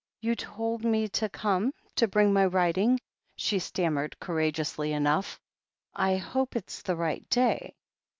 "You told me to come — ^to bring my writing," she stammered courageously enough. "I hope it's the right day."